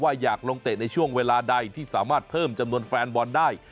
อยากลงเตะในช่วงเวลาใดที่สามารถเพิ่มจำนวนแฟนบอลได้